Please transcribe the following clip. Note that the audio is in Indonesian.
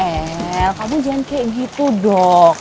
yel kamu jangan kayak gitu dok